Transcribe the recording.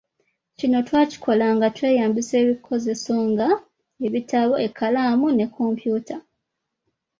Kino twakikola nga tweyambisa ebikozeso nga; ebitabo, ekkalaamu ne kkompyuta.